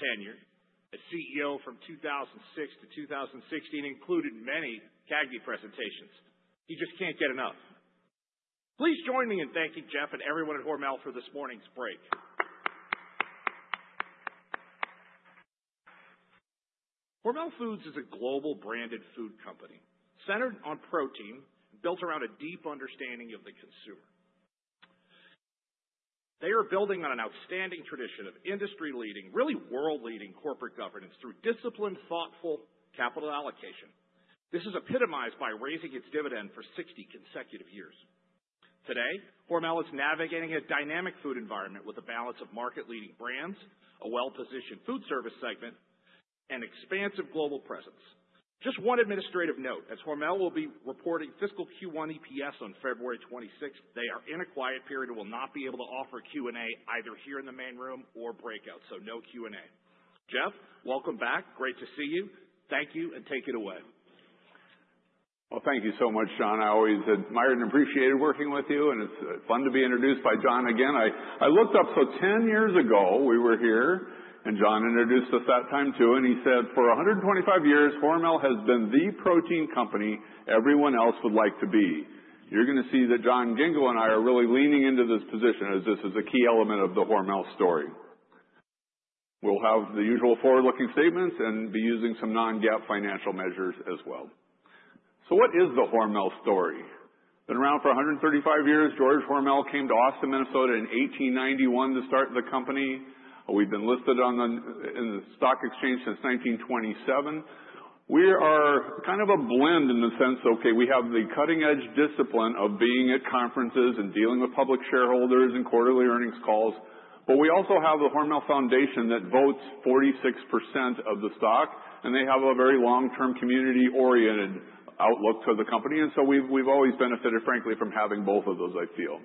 Tenure as CEO from 2006 to 2016 included many CAGNY presentations. He just can't get enough. Please join me in thanking Jeff and everyone at Hormel for this morning's break. Hormel Foods is a global branded food company, centered on protein, built around a deep understanding of the consumer. They are building on an outstanding tradition of industry-leading, really world-leading corporate governance through disciplined, thoughtful capital allocation. This is epitomized by raising its dividend for 60 consecutive years. Today, Hormel is navigating a dynamic food environment with a balance of market-leading brands, a well-positioned Foodservice segment, and expansive global presence. Just one administrative note, as Hormel will be reporting fiscal Q1 EPS on February 26th, they are in a quiet period and will not be able to offer Q&A either here in the main room or breakout. So no Q&A. Jeff, welcome back. Great to see you. Thank you, and take it away. Well, thank you so much, John. I always admired and appreciated working with you, and it's fun to be introduced by John again. I, I looked up, so 10 years ago, we were here, and John introduced us that time, too, and he said, "For 125 years, Hormel has been the protein company everyone else would like to be." You're gonna see that John Ghingo and I are really leaning into this position, as this is a key element of the Hormel story. We'll have the usual forward-looking statements and be using some non-GAAP financial measures as well. So what is the Hormel story? Been around for 135 years. George Hormel came to Austin, Minnesota, in 1891 to start the company. We've been listed on the, in the stock exchange since 1927. We are kind of a blend in the sense, okay, we have the cutting-edge discipline of being at conferences and dealing with public shareholders and quarterly earnings calls, but we also have the Hormel Foundation that votes 46% of the stock, and they have a very long-term, community-oriented outlook for the company. And so we've always benefited, frankly, from having both of those, I feel.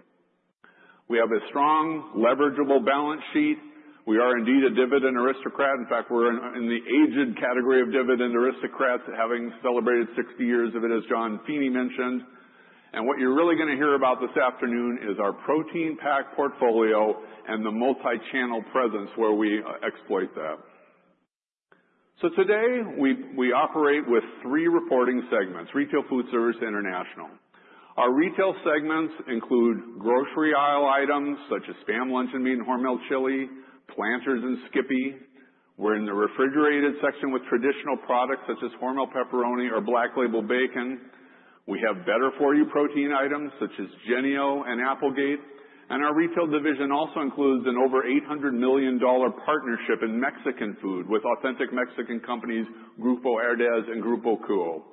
We have a strong leveragable balance sheet. We are indeed a Dividend Aristocrat. In fact, we're in the aged category of Dividend Aristocrats, having celebrated 60 years of it, as John Feeney mentioned. And what you're really gonna hear about this afternoon is our protein-packed portfolio and the multi-channel presence where we exploit that. So today, we operate with three reporting segments, retail, Foodservice, international. Our retail segments include grocery aisle items such as SPAM luncheon meat, and Hormel chili, Planters and Skippy. We're in the refrigerated section with traditional products such as Hormel pepperoni or Black Label bacon. We have better-for-you protein items such as Jennie-O and Applegate, and our retail division also includes an over $800 million partnership in Mexican food with authentic Mexican companies, Grupo Herdez and Grupo KUO. We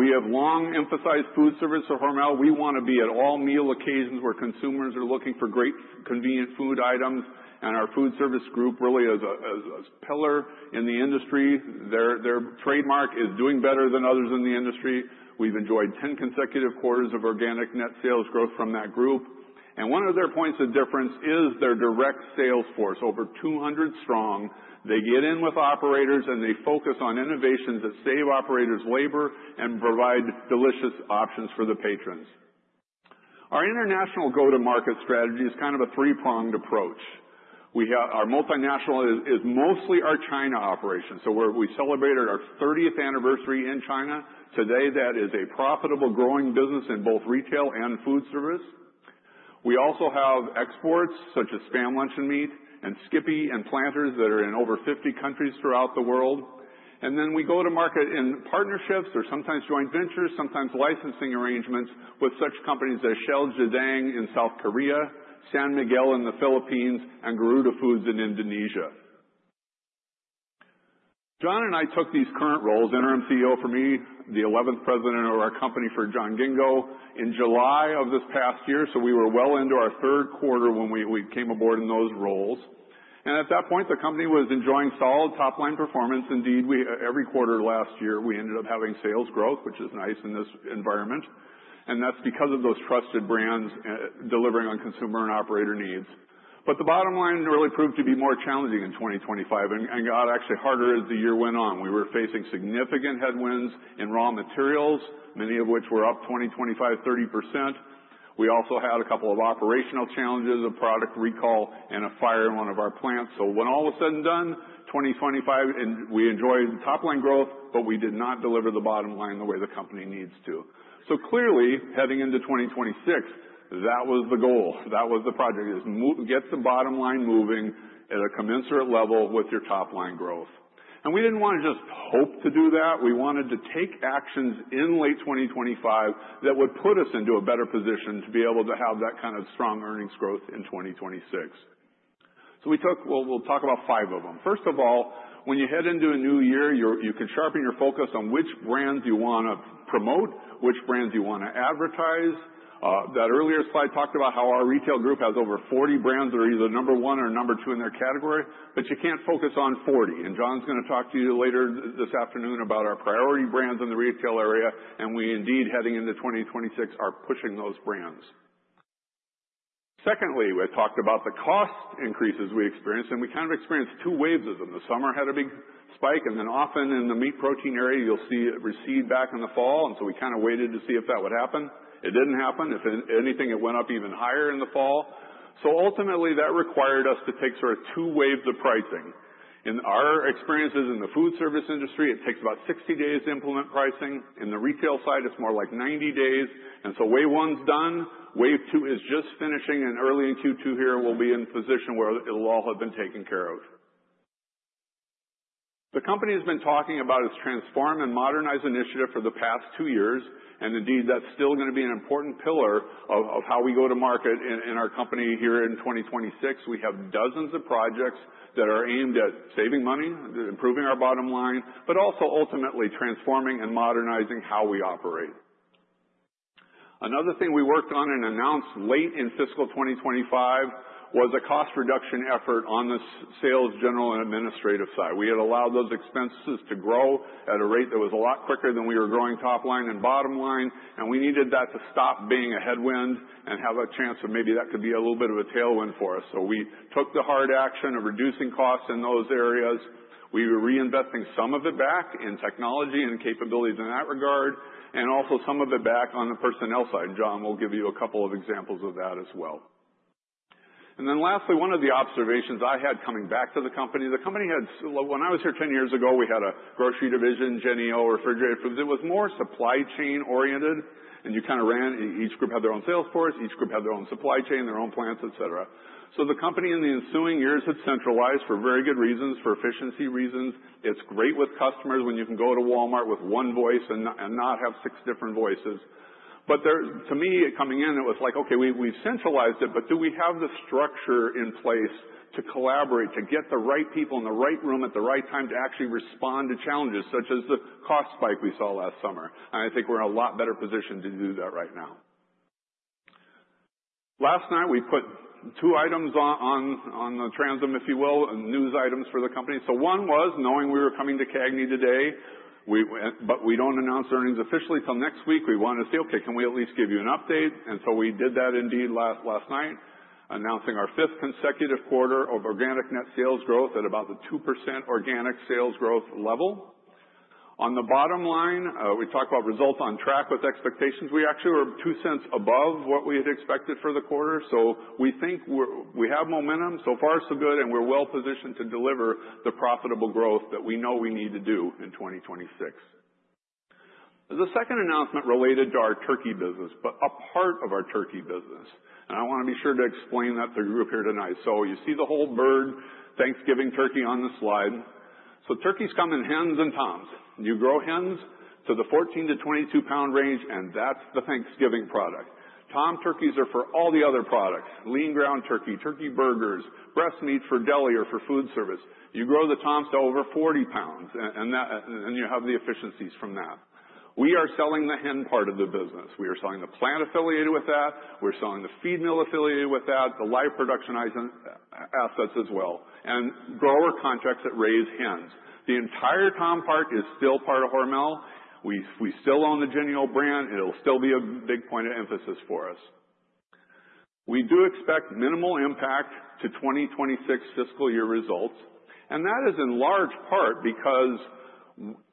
have long emphasized Foodservice at Hormel. We wanna be at all meal occasions where consumers are looking for great, convenient food items, and our Foodservice group really is a pillar in the industry. Their trademark is doing better than others in the industry. We've enjoyed 10 consecutive quarters of organic net sales growth from that group, and one of their points of difference is their direct sales force, over 200 strong. They get in with operators, and they focus on innovations that save operators labor and provide delicious options for the patrons. Our international go-to-market strategy is kind of a three-pronged approach. We have our multinational is mostly our China operations, so where we celebrated our 30th anniversary in China. Today, that is a profitable, growing business in both retail and Foodservice. We also have exports such as SPAM luncheon meat, and Skippy and Planters that are in over 50 countries throughout the world. And then we go to market in partnerships or sometimes joint ventures, sometimes licensing arrangements with such companies as CJ CheilJedang in South Korea, San Miguel in the Philippines, and Garudafood in Indonesia. John and I took these current roles, interim CEO for me, the eleventh president of our company for John Ghingo, in July of this past year, so we were well into our third quarter when we came aboard in those roles. At that point, the company was enjoying solid top-line performance. Indeed, we every quarter last year, we ended up having sales growth, which is nice in this environment, and that's because of those trusted brands delivering on consumer and operator needs. But the bottom line really proved to be more challenging in 2025 and got actually harder as the year went on. We were facing significant headwinds in raw materials, many of which were up 20, 25, 30%. We also had a couple of operational challenges, a product recall and a fire in one of our plants. So when all was said and done, 2025 and we enjoyed top-line growth, but we did not deliver the bottom line the way the company needs to. So clearly, heading into 2026, that was the goal. That was the project, is to get the bottom line moving at a commensurate level with your top-line growth. And we didn't wanna just hope to do that. We wanted to take actions in late 2025 that would put us into a better position to be able to have that kind of strong earnings growth in 2026. So we took... Well, we'll talk about five of them. First of all, when you head into a new year, you're, you can sharpen your focus on which brands you wanna promote, which brands you wanna advertise. That earlier slide talked about how our retail group has over 40 brands that are either number one or number two in their category, but you can't focus on 40. And John's gonna talk to you later this afternoon about our priority brands in the retail area, and we indeed, heading into 2026, are pushing those brands. Secondly, we talked about the cost increases we experienced, and we kind of experienced two waves of them. The summer had a big spike, and then often in the meat protein area, you'll see it recede back in the fall, and so we kinda waited to see if that would happen. It didn't happen. If anything, it went up even higher in the fall. So ultimately that required us to take sort of two waves of pricing. In our experiences in the Foodservice industry, it takes about 60 days to implement pricing. In the retail side, it's more like 90 days, and so wave one's done, wave two is just finishing, and early in Q2 here, we'll be in position where it'll all have been taken care of. The company has been talking about its Transform and Modernize initiative for the past 2 years, and indeed, that's still gonna be an important pillar of how we go to market in our company here in 2026. We have dozens of projects that are aimed at saving money, improving our bottom line, but also ultimately transforming and modernizing how we operate. Another thing we worked on and announced late in fiscal 2025 was a cost reduction effort on the Sales, General, and Administrative side. We had allowed those expenses to grow at a rate that was a lot quicker than we were growing top line and bottom line, and we needed that to stop being a headwind and have a chance that maybe that could be a little bit of a tailwind for us. So we took the hard action of reducing costs in those areas. We were reinvesting some of it back in technology and capabilities in that regard, and also some of it back on the personnel side. John will give you a couple of examples of that as well. And then lastly, one of the observations I had coming back to the company, the company had... When I was here 10 years ago, we had a grocery division, Jennie-O, Refrigerated Foods. It was more supply chain oriented, and you kind of ran, each group had their own sales force, each group had their own supply chain, their own plants, et cetera. So the company in the ensuing years had centralized for very good reasons, for efficiency reasons. It's great with customers when you can go to Walmart with one voice and not have six different voices. But there, to me, coming in, it was like: Okay, we, we centralized it, but do we have the structure in place to collaborate, to get the right people in the right room at the right time to actually respond to challenges, such as the cost spike we saw last summer? And I think we're in a lot better position to do that right now. Last night, we put two items on the transom, if you will, and news items for the company. So one was, knowing we were coming to CAGNY today, but we don't announce earnings officially till next week. We wanted to say, "Okay, can we at least give you an update?" And so we did that indeed last night, announcing our fifth consecutive quarter of organic net sales growth at about the 2% organic sales growth level. On the bottom line, we talked about results on track with expectations. We actually were $0.02 above what we had expected for the quarter. So we think we have momentum, so far so good, and we're well positioned to deliver the profitable growth that we know we need to do in 2026. The second announcement related to our turkey business, but a part of our turkey business, and I wanna be sure to explain that to the group here tonight. So you see the whole bird, Thanksgiving turkey on the slide. So turkeys come in hens and toms. You grow hens to the 14-22 pound range, and that's the Thanksgiving product. Tom turkeys are for all the other products, lean ground turkey, turkey burgers, breast meat for deli or for Foodservice. You grow the toms to over 40 pounds, and that, and you have the efficiencies from that. We are selling the hen part of the business. We are selling the plant affiliated with that, we're selling the feed mill affiliated with that, the live production assets as well, and grower contracts that raise hens. The entire tom part is still part of Hormel. We still own the Jennie-O brand, and it'll still be a big point of emphasis for us. We do expect minimal impact to 2026 fiscal year results, and that is in large part because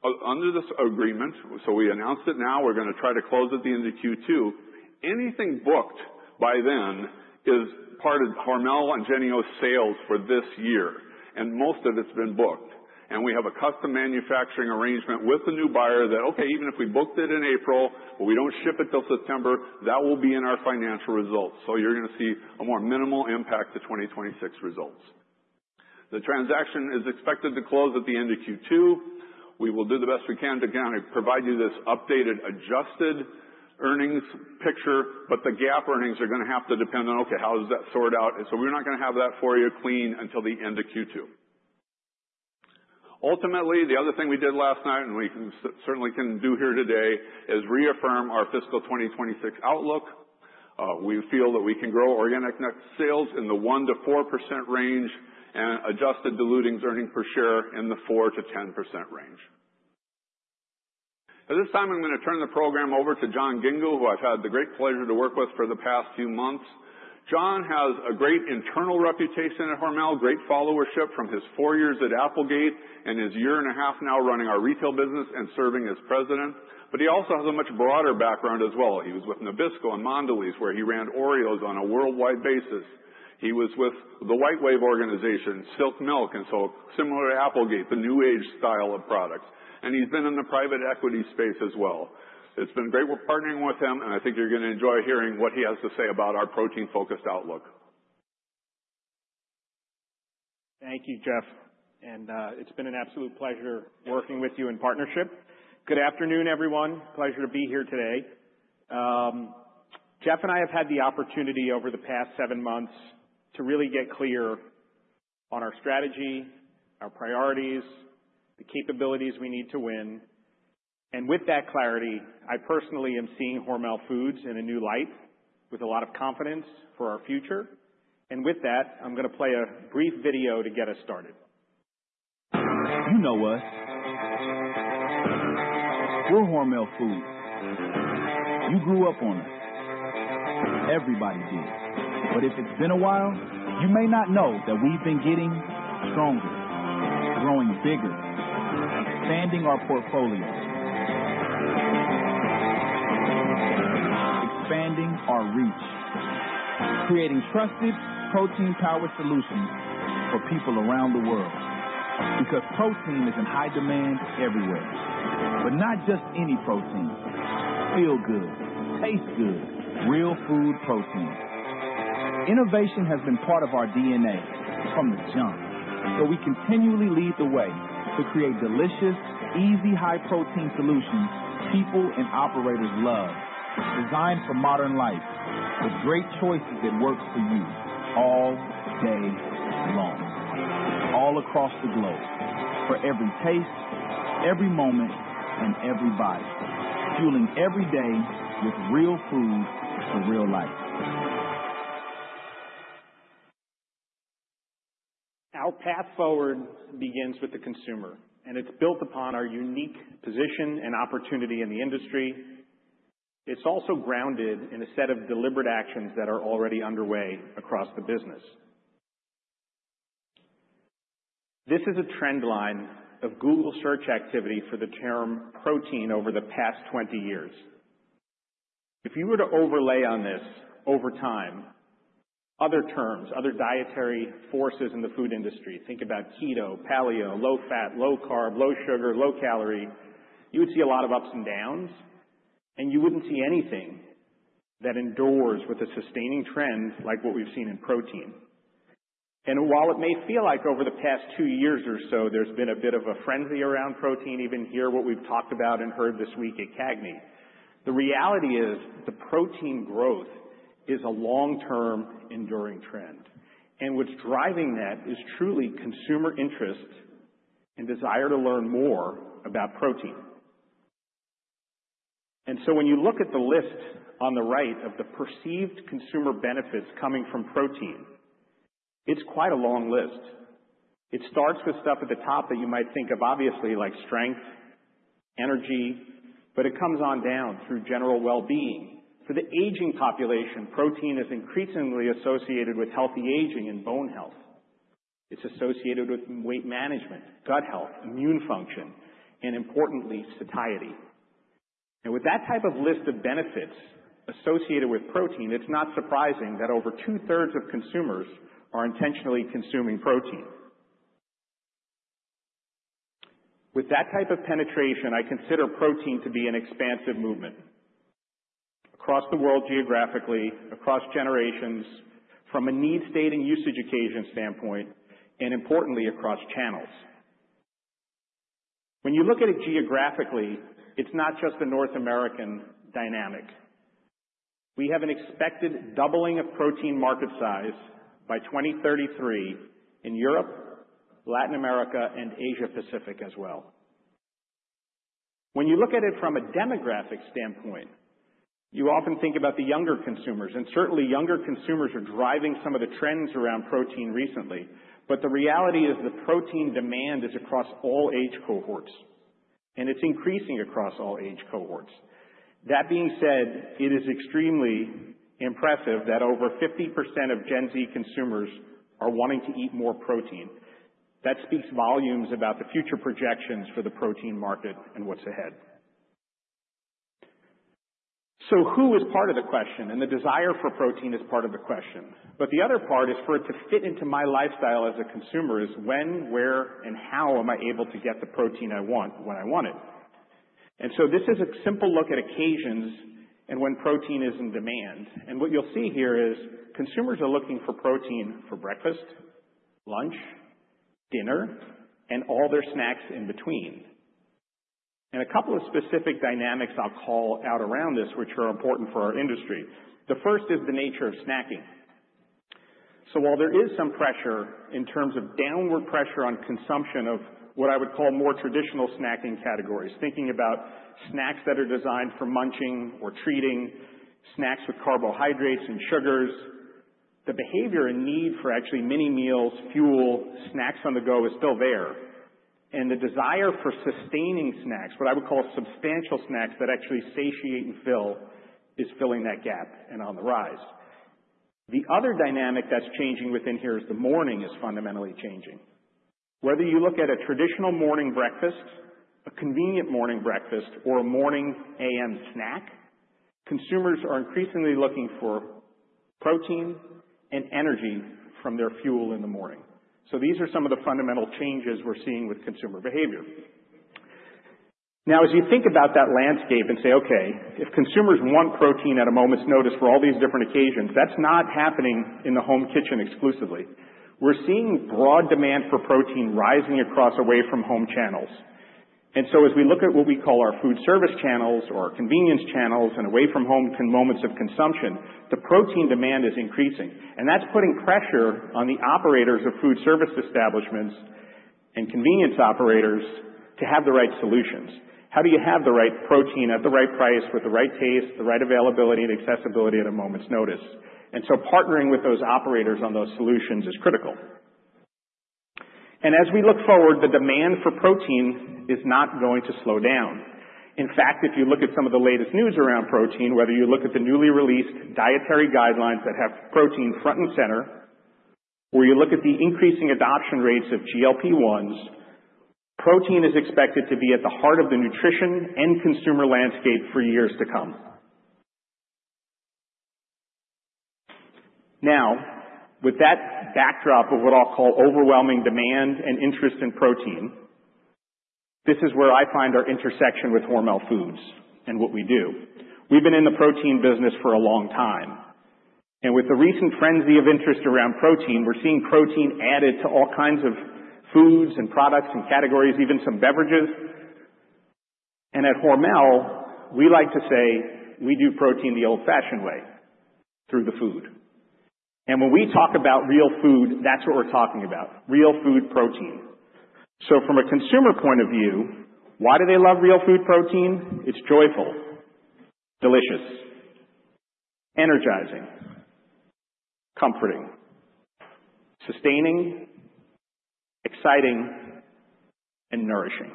under this agreement, so we announced it now, we're gonna try to close at the end of Q2, anything booked by then is part of Hormel and Jennie-O sales for this year, and most of it's been booked. And we have a custom manufacturing arrangement with the new buyer that, okay, even if we booked it in April, but we don't ship it till September, that will be in our financial results. So you're gonna see a more minimal impact to 2026 results. The transaction is expected to close at the end of Q2. We will do the best we can to, again, provide you this updated, adjusted earnings picture, but the GAAP earnings are gonna have to depend on, okay, how is that sorted out? And so we're not gonna have that for you clean until the end of Q2. Ultimately, the other thing we did last night, and we certainly can do here today, is reaffirm our fiscal 2026 outlook. We feel that we can grow organic net sales in the 1%-4% range and adjusted diluted earnings per share in the 4%-10% range. At this time, I'm gonna turn the program over to John Ghingo, who I've had the great pleasure to work with for the past few months. John has a great internal reputation at Hormel, great followership from his four years at Applegate and his year and a half now running our retail business and serving as president. But he also has a much broader background as well. He was with Nabisco and Mondelēz, where he ran Oreos on a worldwide basis. He was with the WhiteWave organization, Silk Milk, and so similar to Applegate, the new age style of products. He's been in the private equity space as well. It's been great partnering with him, and I think you're gonna enjoy hearing what he has to say about our protein-focused outlook. Thank you, Jeff, and it's been an absolute pleasure working with you in partnership. Good afternoon, everyone. Pleasure to be here today. Jeff and I have had the opportunity over the past seven months to really get clear on our strategy, our priorities, the capabilities we need to win. And with that clarity, I personally am seeing Hormel Foods in a new light with a lot of confidence for our future. And with that, I'm gonna play a brief video to get us started. You know us. We're Hormel Foods. You grew up on us. Everybody did. But if it's been a while, you may not know that we've been getting stronger, growing bigger, expanding our portfolio. Expanding our reach, creating trusted protein-powered solutions for people around the world. Because protein is in high demand everywhere, but not just any protein. Feel good, taste good, real food protein. Innovation has been part of our DNA from the jump, so we continually lead the way to create delicious, easy, high-protein solutions people and operators love. Designed for modern life, with great choices that works for you all day long, all across the globe. For every taste, every moment, and every bite. Fueling every day with real food for real life. Our path forward begins with the consumer, and it's built upon our unique position and opportunity in the industry. It's also grounded in a set of deliberate actions that are already underway across the business. This is a trend line of Google search activity for the term "protein" over the past 20 years. If you were to overlay on this over time, other terms, other dietary forces in the food industry, think about keto, paleo, low fat, low carb, low sugar, low calorie, you would see a lot of ups and downs, and you wouldn't see anything that endures with a sustaining trend like what we've seen in protein. And while it may feel like over the past two years or so, there's been a bit of a frenzy around protein, even here, what we've talked about and heard this week at CAGNY, the reality is the protein growth is a long-term, enduring trend, and what's driving that is truly consumer interest and desire to learn more about protein. And so when you look at the list on the right of the perceived consumer benefits coming from protein, it's quite a long list. It starts with stuff at the top that you might think of, obviously, like strength, energy, but it comes on down through general well-being. For the aging population, protein is increasingly associated with healthy aging and bone health. It's associated with weight management, gut health, immune function, and importantly, satiety. And with that type of list of benefits associated with protein, it's not surprising that over two-thirds of consumers are intentionally consuming protein. With that type of penetration, I consider protein to be an expansive movement across the world, geographically, across generations, from a need state and usage occasion standpoint, and importantly, across channels. When you look at it geographically, it's not just the North American dynamic. We have an expected doubling of protein market size by 2033 in Europe, Latin America and Asia Pacific as well. When you look at it from a demographic standpoint, you often think about the younger consumers, and certainly younger consumers are driving some of the trends around protein recently. But the reality is the protein demand is across all age cohorts, and it's increasing across all age cohorts. That being said, it is extremely impressive that over 50% of Gen Z consumers are wanting to eat more protein. That speaks volumes about the future projections for the protein market and what's ahead. So who is part of the question? And the desire for protein is part of the question, but the other part is for it to fit into my lifestyle as a consumer, is when, where, and how am I able to get the protein I want when I want it? And so this is a simple look at occasions and when protein is in demand. And what you'll see here is consumers are looking for protein for breakfast, lunch, dinner, and all their snacks in between. And a couple of specific dynamics I'll call out around this, which are important for our industry. The first is the nature of snacking. So while there is some pressure in terms of downward pressure on consumption of what I would call more traditional snacking categories, thinking about snacks that are designed for munching or treating, snacks with carbohydrates and sugars, the behavior and need for actually mini meals, fuel, snacks on the go is still there, and the desire for sustaining snacks, what I would call substantial snacks, that actually satiate and fill, is filling that gap and on the rise. The other dynamic that's changing within here is the morning is fundamentally changing. Whether you look at a traditional morning breakfast, a convenient morning breakfast, or a morning AM snack, consumers are increasingly looking for protein and energy from their fuel in the morning. So these are some of the fundamental changes we're seeing with consumer behavior. Now, as you think about that landscape and say, "Okay, if consumers want protein at a moment's notice for all these different occasions, that's not happening in the home kitchen exclusively." We're seeing broad demand for protein rising across away from home channels. So as we look at what we call our Foodservice channels or convenience channels and away from home moments of consumption, the protein demand is increasing. That's putting pressure on the operators of Foodservice establishments and convenience operators to have the right solutions. How do you have the right protein at the right price, with the right taste, the right availability and accessibility at a moment's notice? So partnering with those operators on those solutions is critical. As we look forward, the demand for protein is not going to slow down. In fact, if you look at some of the latest news around protein, whether you look at the newly released dietary guidelines that have protein front and center, or you look at the increasing adoption rates of GLP-1s.... Protein is expected to be at the heart of the nutrition and consumer landscape for years to come. Now, with that backdrop of what I'll call overwhelming demand and interest in protein, this is where I find our intersection with Hormel Foods and what we do. We've been in the protein business for a long time, and with the recent frenzy of interest around protein, we're seeing protein added to all kinds of foods and products and categories, even some beverages. At Hormel, we like to say we do protein the old-fashioned way, through the food. When we talk about real food, that's what we're talking about, real food protein. So from a consumer point of view, why do they love real food protein? It's joyful, delicious, energizing, comforting, sustaining, exciting, and nourishing.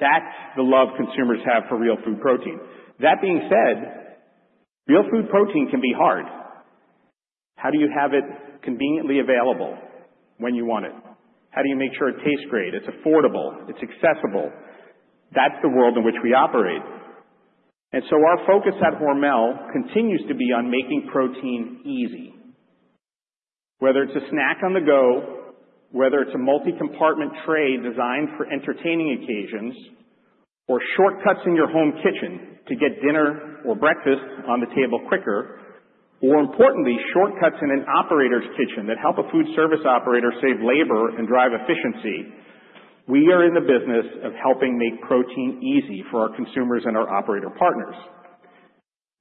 That's the love consumers have for real food protein. That being said, real food protein can be hard. How do you have it conveniently available when you want it? How do you make sure it tastes great, it's affordable, it's accessible? That's the world in which we operate. And so our focus at Hormel continues to be on making protein easy. Whether it's a snack on the go, whether it's a multi-compartment tray designed for entertaining occasions or shortcuts in your home kitchen to get dinner or breakfast on the table quicker, or importantly, shortcuts in an operator's kitchen that help a Foodservice operator save labor and drive efficiency. We are in the business of helping make protein easy for our consumers and our operator partners.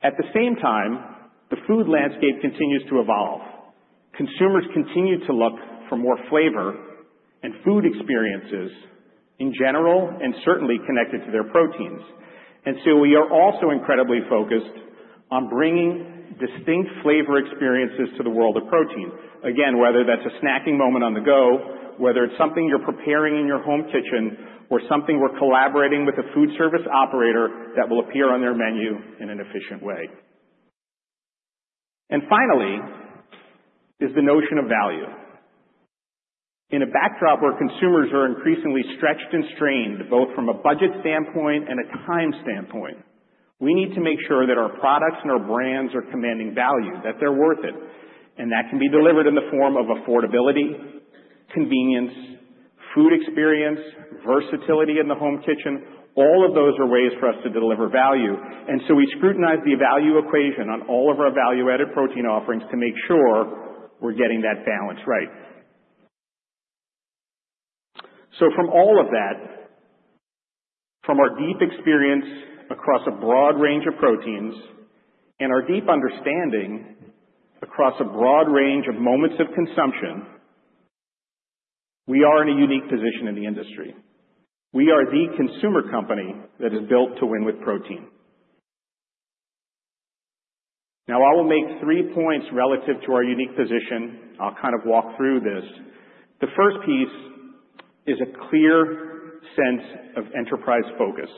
At the same time, the food landscape continues to evolve. Consumers continue to look for more flavor and food experiences in general, and certainly connected to their proteins. And so we are also incredibly focused on bringing distinct flavor experiences to the world of protein. Again, whether that's a snacking moment on the go, whether it's something you're preparing in your home kitchen or something we're collaborating with a Foodservice operator that will appear on their menu in an efficient way. And finally, is the notion of value. In a backdrop where consumers are increasingly stretched and strained, both from a budget standpoint and a time standpoint, we need to make sure that our products and our brands are commanding value, that they're worth it, and that can be delivered in the form of affordability, convenience, food experience, versatility in the home kitchen. All of those are ways for us to deliver value, and so we scrutinize the value equation on all of our value-added protein offerings to make sure we're getting that balance right. So from all of that, from our deep experience across a broad range of proteins and our deep understanding across a broad range of moments of consumption, we are in a unique position in the industry. We are the consumer company that is built to win with protein. Now, I will make three points relative to our unique position. I'll kind of walk through this. The first piece is a clear sense of enterprise focus.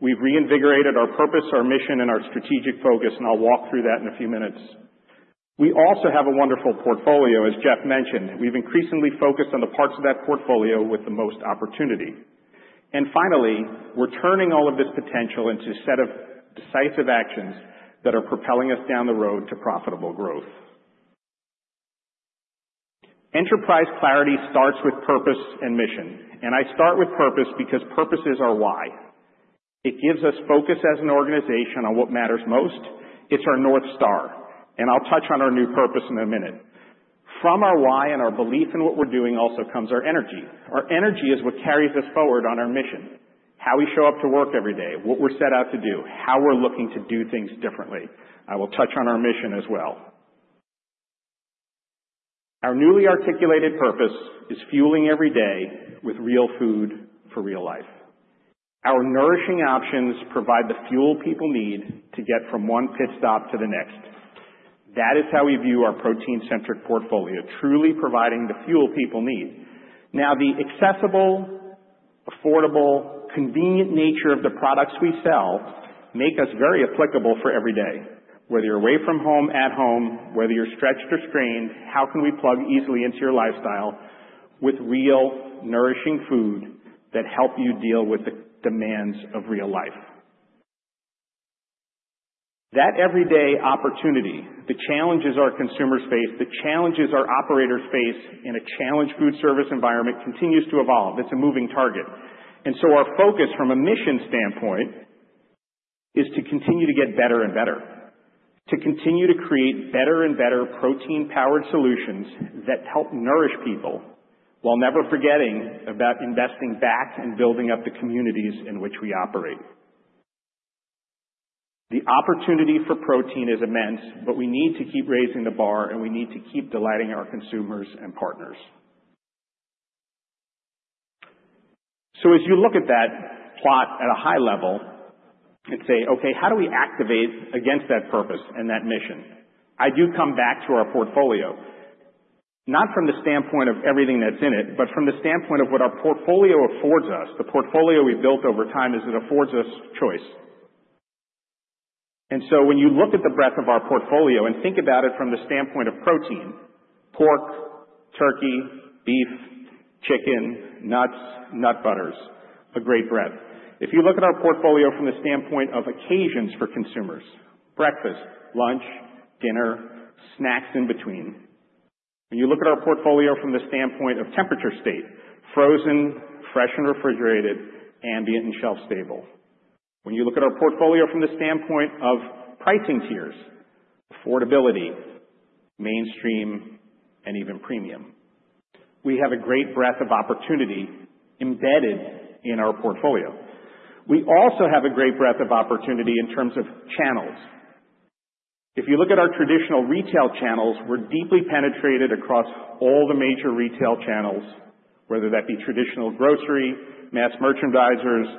We've reinvigorated our purpose, our mission, and our strategic focus, and I'll walk through that in a few minutes. We also have a wonderful portfolio as Jeff mentioned. We've increasingly focused on the parts of that portfolio with the most opportunity. Finally, we're turning all of this potential into a set of decisive actions that are propelling us down the road to profitable growth. Enterprise clarity starts with purpose and mission, and I start with purpose because purposes are why. It gives us focus as an organization on what matters most. It's our North Star, and I'll touch on our new purpose in a minute. From our why and our belief in what we're doing also comes our energy. Our energy is what carries us forward on our mission, how we show up to work every day, what we're set out to do, how we're looking to do things differently. I will touch on our mission as well. Our newly articulated purpose is fueling every day with real food for real life. Our nourishing options provide the fuel people need to get from one pit stop to the next. That is how we view our protein-centric portfolio, truly providing the fuel people need. Now, the accessible, affordable, convenient nature of the products we sell make us very applicable for every day. Whether you're away from home, at home, whether you're stretched or strained, how can we plug easily into your lifestyle with real, nourishing food that help you deal with the demands of real life? That everyday opportunity, the challenges our consumers face, the challenges our operators face in a challenged Foodservice environment continues to evolve. It's a moving target. And so our focus from a mission standpoint is to continue to get better and better, to continue to create better and better protein-powered solutions that help nourish people, while never forgetting about investing back and building up the communities in which we operate. The opportunity for protein is immense, but we need to keep raising the bar and we need to keep delighting our consumers and partners. So as you look at that plot at a high level and say, "Okay, how do we activate against that purpose and that mission?" I do come back to our portfolio, not from the standpoint of everything that's in it, but from the standpoint of what our portfolio affords us. The portfolio we've built over time is it affords us choice.... And so when you look at the breadth of our portfolio and think about it from the standpoint of protein, pork, turkey, beef, chicken, nuts, nut butters, a great breadth. If you look at our portfolio from the standpoint of occasions for consumers, breakfast, lunch, dinner, snacks in between. When you look at our portfolio from the standpoint of temperature state, frozen, fresh and refrigerated, ambient and shelf stable. When you look at our portfolio from the standpoint of pricing tiers, affordability, mainstream, and even premium, we have a great breadth of opportunity embedded in our portfolio. We also have a great breadth of opportunity in terms of channels. If you look at our traditional retail channels, we're deeply penetrated across all the major retail channels, whether that be traditional grocery, mass merchandisers,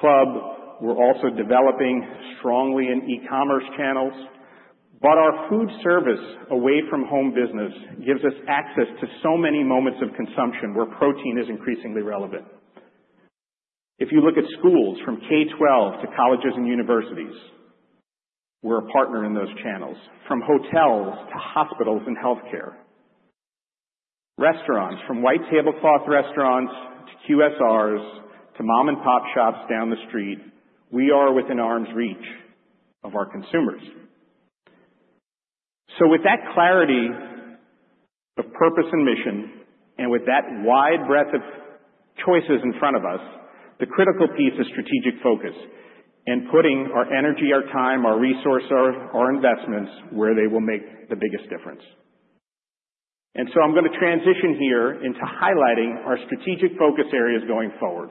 club. We're also developing strongly in e-commerce channels. But our foodservice away from home business gives us access to so many moments of consumption where protein is increasingly relevant. If you look at schools from K-12 to colleges and universities, we're a partner in those channels. From hotels to hospitals and healthcare, restaurants, from white tablecloth restaurants, to QSRs, to mom-and-pop shops down the street, we are within arm's reach of our consumers. So with that clarity of purpose and mission, and with that wide breadth of choices in front of us, the critical piece is strategic focus and putting our energy, our time, our resource, our investments, where they will make the biggest difference. And so I'm going to transition here into highlighting our strategic focus areas going forward.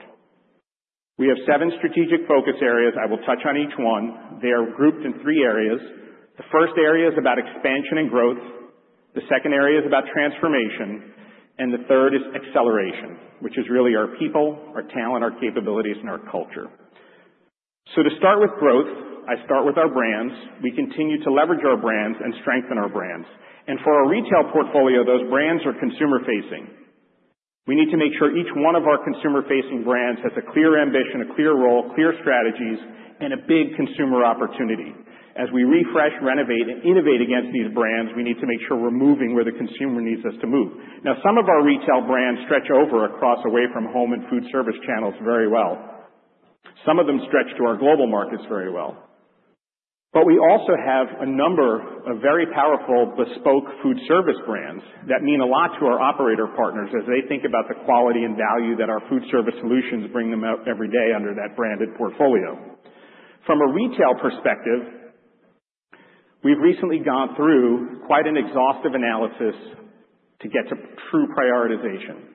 We have seven strategic focus areas. I will touch on each one. They are grouped in three areas. The first area is about expansion and growth, the second area is about transformation, and the third is acceleration, which is really our people, our talent, our capabilities, and our culture. So to start with growth, I start with our brands. We continue to leverage our brands and strengthen our brands. And for our retail portfolio, those brands are consumer facing. We need to make sure each one of our consumer-facing brands has a clear ambition, a clear role, clear strategies, and a big consumer opportunity. As we refresh, renovate, and innovate against these brands, we need to make sure we're moving where the consumer needs us to move. Now, some of our retail brands stretch across away from home and Foodservice channels very well. Some of them stretch to our global markets very well. But we also have a number of very powerful bespoke Foodservice brands that mean a lot to our operator partners as they think about the quality and value that our Foodservice solutions bring them out every day under that branded portfolio. From a retail perspective, we've recently gone through quite an exhaustive analysis to get to true prioritization.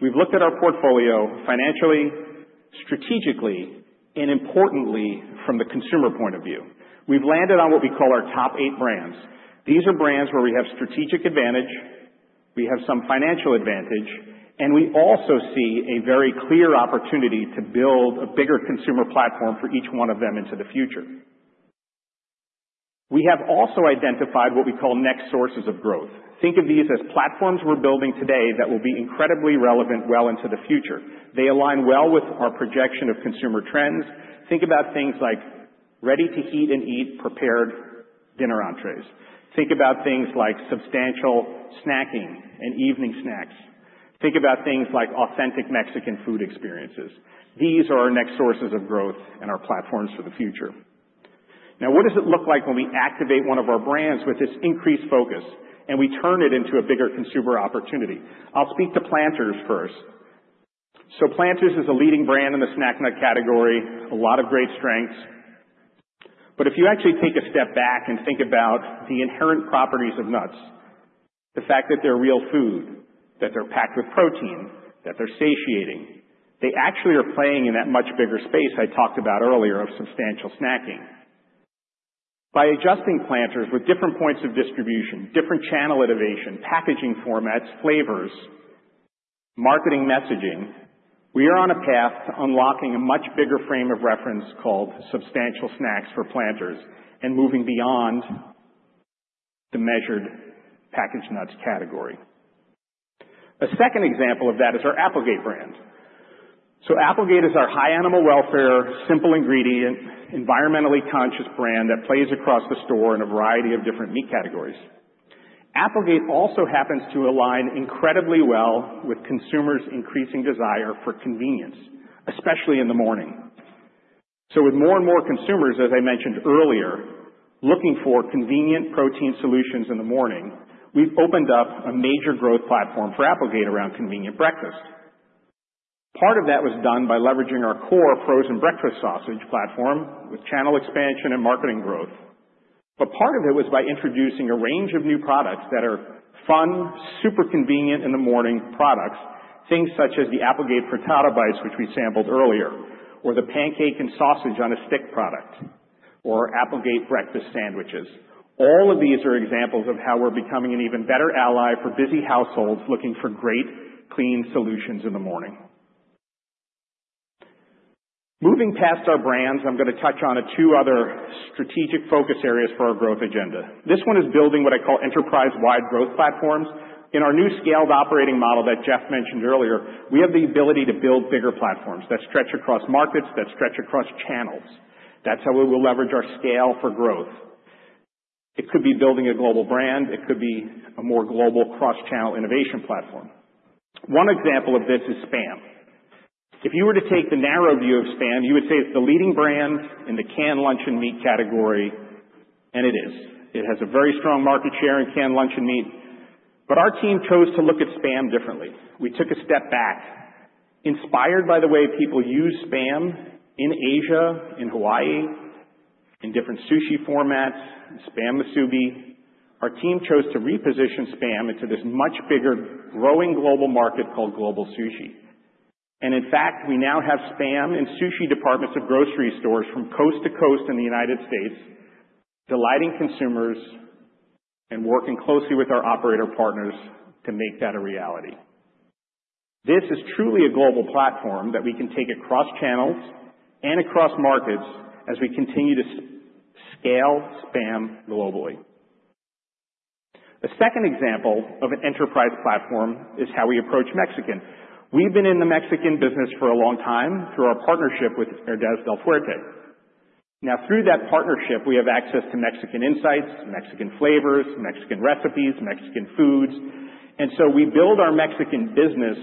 We've looked at our portfolio financially, strategically, and importantly, from the consumer point of view. We've landed on what we call our top eight brands. These are brands where we have strategic advantage, we have some financial advantage, and we also see a very clear opportunity to build a bigger consumer platform for each one of them into the future. We have also identified what we call next sources of growth. Think of these as platforms we're building today that will be incredibly relevant well into the future. They align well with our projection of consumer trends. Think about things like ready-to-heat and eat prepared dinner entrees. Think about things like substantial snacking and evening snacks. Think about things like authentic Mexican food experiences. These are our next sources of growth and our platforms for the future. Now, what does it look like when we activate one of our brands with this increased focus and we turn it into a bigger consumer opportunity? I'll speak to Planters first. So Planters is a leading brand in the snack nut category, a lot of great strengths. But if you actually take a step back and think about the inherent properties of nuts, the fact that they're real food, that they're packed with protein, that they're satiating, they actually are playing in that much bigger space I talked about earlier of substantial snacking. By adjusting Planters with different points of distribution, different channel innovation, packaging formats, flavors, marketing, messaging, we are on a path to unlocking a much bigger frame of reference called substantial snacks for Planters and moving beyond the measured packaged nuts category. A second example of that is our Applegate brand. So Applegate is our high animal welfare, simple ingredient, environmentally conscious brand that plays across the store in a variety of different meat categories. Applegate also happens to align incredibly well with consumers' increasing desire for convenience, especially in the morning. So with more and more consumers, as I mentioned earlier, looking for convenient protein solutions in the morning, we've opened up a major growth platform for Applegate around convenient breakfast. Part of that was done by leveraging our core frozen breakfast sausage platform with channel expansion and marketing growth. But part of it was by introducing a range of new products that are fun, super convenient in the morning products, things such as the Applegate Frittata Bites, which we sampled earlier, or the pancake and sausage on a stick product, or Applegate breakfast sandwiches. All of these are examples of how we're becoming an even better ally for busy households looking for great, clean solutions in the morning. Moving past our brands, I'm going to touch on two other strategic focus areas for our growth agenda. This one is building what I call enterprise-wide growth platforms. In our new scaled operating model that Jeff mentioned earlier, we have the ability to build bigger platforms that stretch across markets, that stretch across channels. That's how we will leverage our scale for growth.... It could be building a global brand, it could be a more global cross-channel innovation platform. One example of this is SPAM. If you were to take the narrow view of SPAM, you would say it's the leading brand in the canned luncheon meat category, and it is. It has a very strong market share in canned luncheon meat. But our team chose to look at SPAM differently. We took a step back, inspired by the way people use SPAM in Asia, in Hawaii, in different sushi formats, in SPAM musubi. Our team chose to reposition SPAM into this much bigger, growing global market called global sushi. And in fact, we now have SPAM in sushi departments of grocery stores from coast to coast in the United States, delighting consumers and working closely with our operator partners to make that a reality. This is truly a global platform that we can take across channels and across markets as we continue to scale SPAM globally. A second example of an enterprise platform is how we approach Mexican. We've been in the Mexican business for a long time through our partnership with Herdez Del Fuerte. Now, through that partnership, we have access to Mexican insights, Mexican flavors, Mexican recipes, Mexican foods, and so we build our Mexican business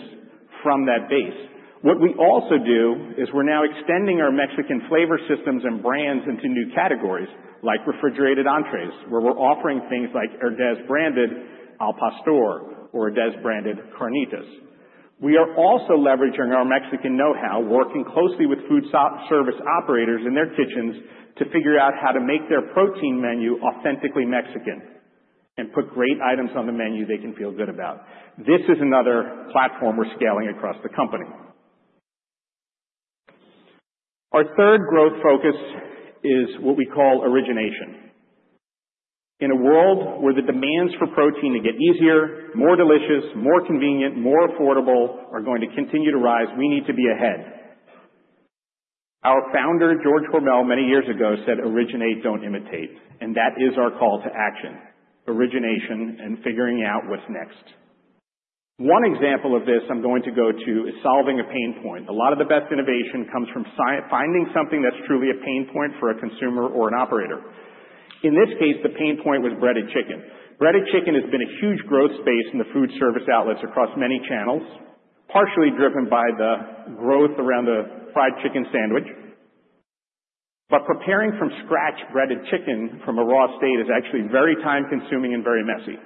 from that base. What we also do is we're now extending our Mexican flavor systems and brands into new categories, like refrigerated entrees, where we're offering things like Herdez-branded al pastor or Herdez-branded carnitas. We are also leveraging our Mexican know-how, working closely with Foodservice operators in their kitchens to figure out how to make their protein menu authentically Mexican and put great items on the menu they can feel good about. This is another platform we're scaling across the company. Our third growth focus is what we call origination. In a world where the demands for protein to get easier, more delicious, more convenient, more affordable, are going to continue to rise, we need to be ahead. Our founder, George Hormel, many years ago said, "Originate, don't imitate," and that is our call to action, origination and figuring out what's next. One example of this I'm going to go to is solving a pain point. A lot of the best innovation comes from finding something that's truly a pain point for a consumer or an operator. In this case, the pain point was breaded chicken. Breaded chicken has been a huge growth space in the Foodservice outlets across many channels, partially driven by the growth around the fried chicken sandwich. But preparing from scratch breaded chicken from a raw state is actually very time-consuming and very messy.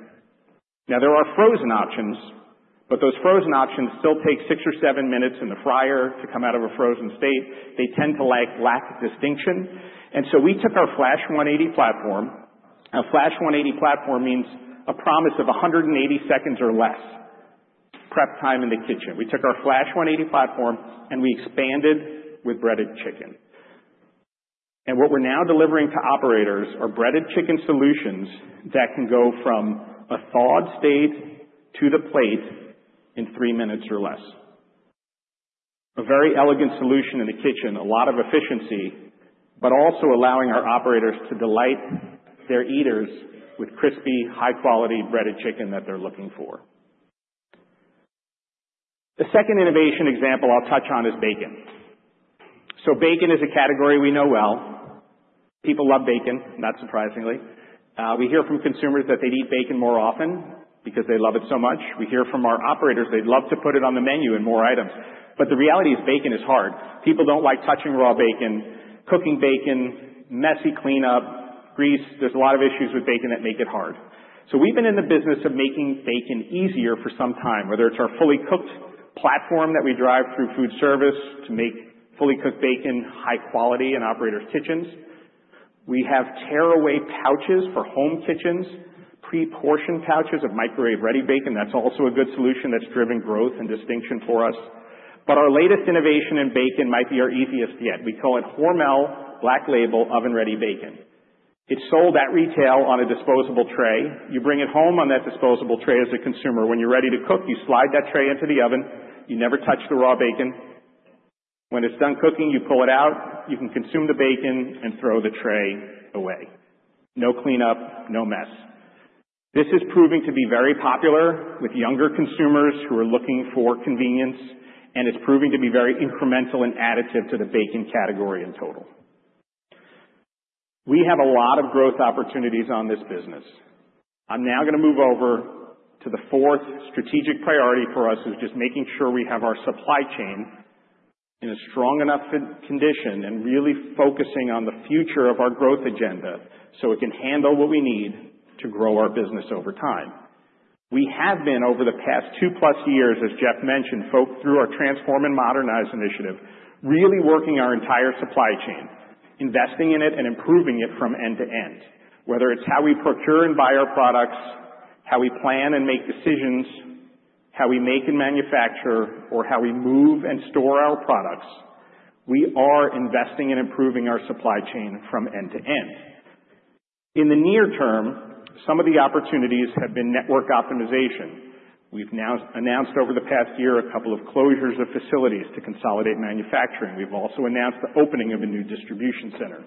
Now, there are frozen options, but those frozen options still take 6 or 7 minutes in the fryer to come out of a frozen state. They tend to lack distinction, and so we took our Flash 180 platform. Now, Flash 180 platform means a promise of 180 seconds or less prep time in the kitchen. We took our Flash 180 platform and we expanded with breaded chicken. And what we're now delivering to operators are breaded chicken solutions that can go from a thawed state to the plate in 3 minutes or less. A very elegant solution in the kitchen, a lot of efficiency, but also allowing our operators to delight their eaters with crispy, high-quality breaded chicken that they're looking for. The second innovation example I'll touch on is bacon. So bacon is a category we know well. People love bacon, not surprisingly. We hear from consumers that they'd eat bacon more often because they love it so much. We hear from our operators they'd love to put it on the menu in more items. But the reality is, bacon is hard. People don't like touching raw bacon, cooking bacon, messy cleanup, grease. There's a lot of issues with bacon that make it hard. So we've been in the business of making bacon easier for some time, whether it's our fully cooked platform that we drive through Foodservice to make fully cooked bacon, high quality in operators' kitchens. We have tearaway pouches for home kitchens, pre-portioned pouches of microwave-ready bacon. That's also a good solution that's driven growth and distinction for us. But our latest innovation in bacon might be our easiest yet. We call it Hormel Black Label Oven Ready Bacon. It's sold at retail on a disposable tray. You bring it home on that disposable tray as a consumer. When you're ready to cook, you slide that tray into the oven. You never touch the raw bacon. When it's done cooking, you pull it out, you can consume the bacon and throw the tray away. No cleanup, no mess. This is proving to be very popular with younger consumers who are looking for convenience, and it's proving to be very incremental and additive to the bacon category in total. We have a lot of growth opportunities on this business. I'm now gonna move over to the fourth strategic priority for us, is just making sure we have our supply chain in a strong enough condition and really focusing on the future of our growth agenda, so it can handle what we need to grow our business over time. We have been, over the past 2+ years, as Jeff mentioned, through our Transform and Modernize initiative, really working our entire supply chain, investing in it, and improving it from end to end. Whether it's how we procure and buy our products, how we plan and make decisions, how we make and manufacture, or how we move and store our products, we are investing in improving our supply chain from end to end. In the near term, some of the opportunities have been network optimization. We've now announced over the past year a couple of closures of facilities to consolidate manufacturing. We've also announced the opening of a new distribution center.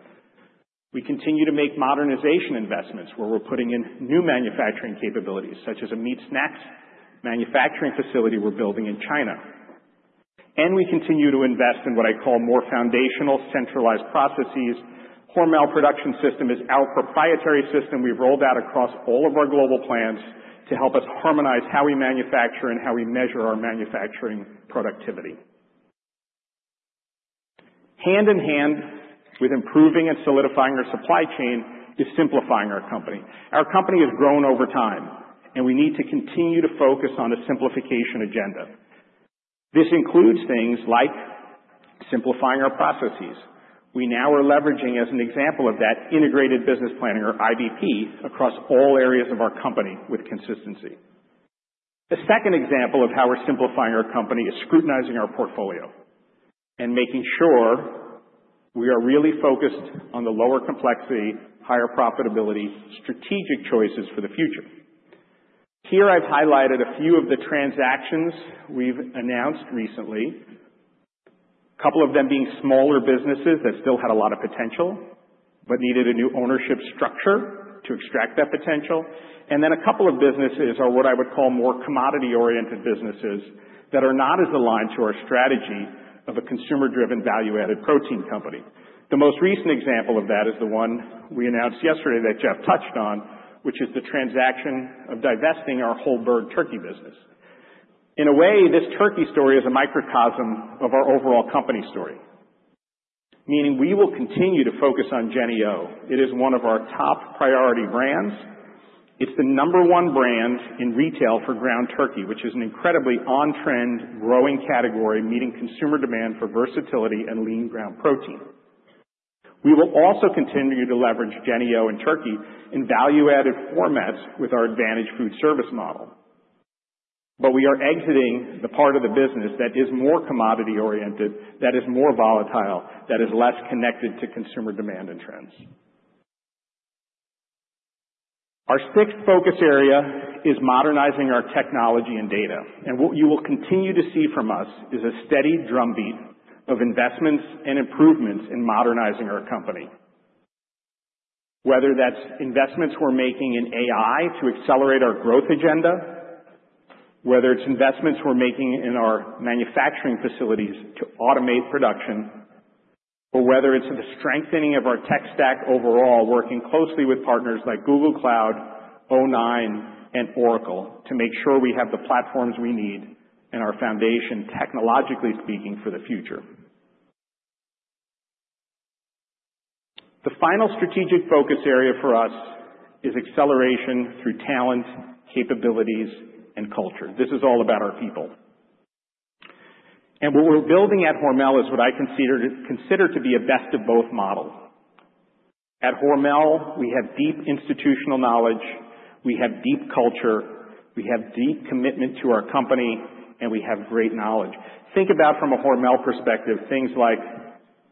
We continue to make modernization investments, where we're putting in new manufacturing capabilities, such as a meat snacks manufacturing facility we're building in China... and we continue to invest in what I call more foundational, centralized processes. Hormel Production System is our proprietary system we've rolled out across all of our global plants to help us harmonize how we manufacture and how we measure our manufacturing productivity. Hand in hand with improving and solidifying our supply chain is simplifying our company. Our company has grown over time, and we need to continue to focus on a simplification agenda. This includes things like simplifying our processes. We now are leveraging, as an example of that, Integrated Business Planning or IBP, across all areas of our company with consistency. The second example of how we're simplifying our company is scrutinizing our portfolio and making sure we are really focused on the lower complexity, higher profitability, strategic choices for the future. Here I've highlighted a few of the transactions we've announced recently, a couple of them being smaller businesses that still had a lot of potential, but needed a new ownership structure to extract that potential. Then a couple of businesses are what I would call more commodity-oriented businesses that are not as aligned to our strategy of a consumer-driven, value-added protein company. The most recent example of that is the one we announced yesterday that Jeff touched on, which is the transaction of divesting our whole bird turkey business. In a way, this turkey story is a microcosm of our overall company story, meaning we will continue to focus on Jennie-O. It is one of our top priority brands. It's the number one brand in retail for ground turkey, which is an incredibly on-trend, growing category, meeting consumer demand for versatility and lean ground protein. We will also continue to leverage Jennie-O and turkey in value-added formats with our advantage Foodservice model. But we are exiting the part of the business that is more commodity-oriented, that is more volatile, that is less connected to consumer demand and trends. Our sixth focus area is modernizing our technology and data, and what you will continue to see from us is a steady drumbeat of investments and improvements in modernizing our company. Whether that's investments we're making in AI to accelerate our growth agenda, whether it's investments we're making in our manufacturing facilities to automate production, or whether it's the strengthening of our tech stack overall, working closely with partners like Google Cloud, o9, and Oracle to make sure we have the platforms we need and our foundation, technologically speaking, for the future. The final strategic focus area for us is acceleration through talent, capabilities, and culture. This is all about our people. And what we're building at Hormel is what I consider to be a best of both model. At Hormel, we have deep institutional knowledge, we have deep culture, we have deep commitment to our company, and we have great knowledge. Think about from a Hormel perspective, things like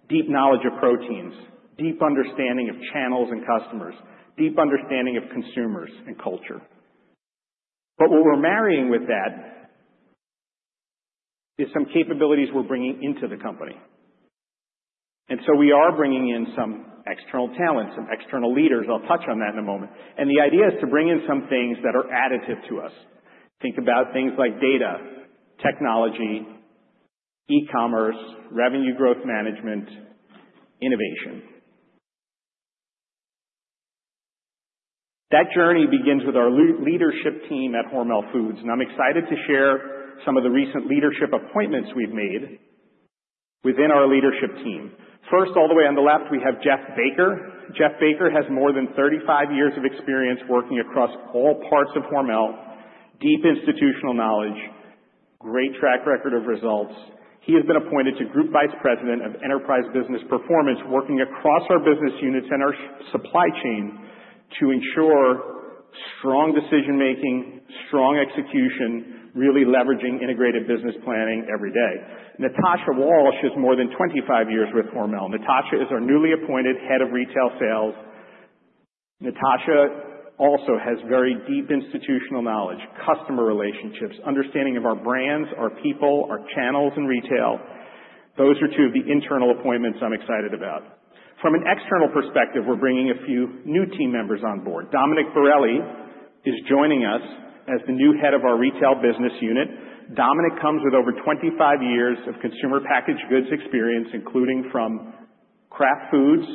deep knowledge of proteins, deep understanding of channels and customers, deep understanding of consumers and culture. But what we're marrying with that is some capabilities we're bringing into the company. And so we are bringing in some external talent, some external leaders. I'll touch on that in a moment. And the idea is to bring in some things that are additive to us. Think about things like data, technology, e-commerce, revenue growth management, innovation. That journey begins with our leadership team at Hormel Foods, and I'm excited to share some of the recent leadership appointments we've made within our leadership team. First, all the way on the left, we have Jeff Baker. Jeff Baker has more than 35 years of experience working across all parts of Hormel. Deep institutional knowledge, great track record of results. He has been appointed to Group Vice President of Enterprise Business Performance, working across our business units and our supply chain to ensure strong decision-making, strong execution, really leveraging Integrated Business Planning every day. Natasha Walsh has more than 25 years with Hormel. Natasha is our newly appointed Head of Retail Sales. Natasha also has very deep institutional knowledge, customer relationships, understanding of our brands, our people, our channels and retail. Those are two of the internal appointments I'm excited about. From an external perspective, we're bringing a few new team members on board. Domenic Borrelli is joining us as the new head of our retail business unit. Dominic comes with over 25 years of consumer packaged goods experience, including from Kraft Foods,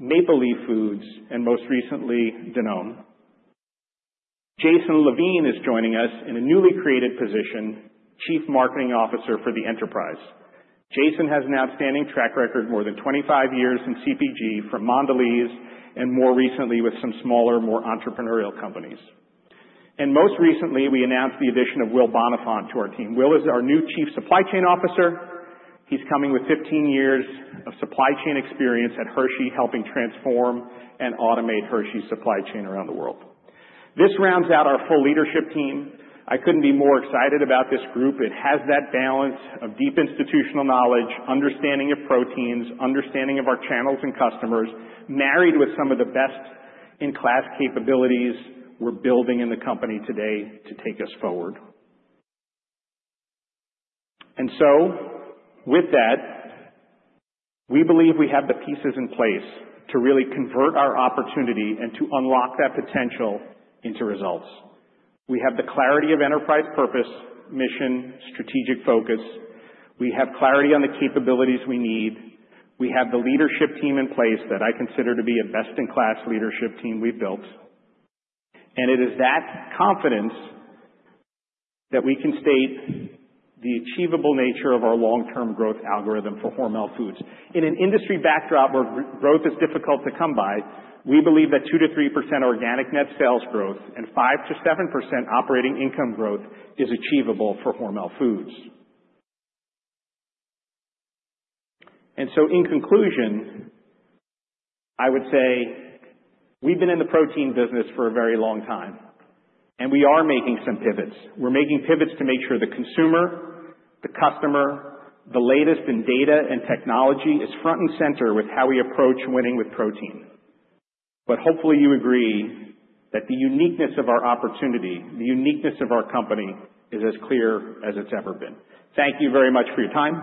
Maple Leaf Foods, and most recently, Danone. Jason Levine is joining us in a newly created position, Chief Marketing Officer for the enterprise. Jason has an outstanding track record, more than 25 years in CPG from Mondelēz and more recently with some smaller, more entrepreneurial companies. And most recently, we announced the addition of Will Bonifant to our team. Will is our new Chief Supply Chain Officer. He's coming with 15 years of supply chain experience at Hershey, helping transform and automate Hershey's supply chain around the world. This rounds out our full leadership team. I couldn't be more excited about this group. It has that balance of deep institutional knowledge, understanding of proteins, understanding of our channels and customers, married with some of the best-in-class capabilities we're building in the company today to take us forward. And so with that, we believe we have the pieces in place to really convert our opportunity and to unlock that potential into results. We have the clarity of enterprise, purpose, mission, strategic focus. We have clarity on the capabilities we need. We have the leadership team in place that I consider to be a best-in-class leadership team we've built. And it is that confidence that we can state the achievable nature of our long-term growth algorithm for Hormel Foods. In an industry backdrop where growth is difficult to come by, we believe that 2%-3% organic net sales growth and 5%-7% operating income growth is achievable for Hormel Foods. In conclusion, I would say we've been in the protein business for a very long time, and we are making some pivots. We're making pivots to make sure the consumer, the customer, the latest in data and technology is front and center with how we approach winning with protein. Hopefully, you agree that the uniqueness of our opportunity, the uniqueness of our company, is as clear as it's ever been. Thank you very much for your time.